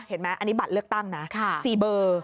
เห็นไหมอันนี้บัตรเลือกตั้งนะ๔เบอร์